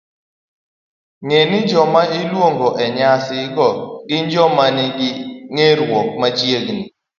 Ng'e ni joma iluongo e nyasi go gin joma nigi ng'eruok machiegni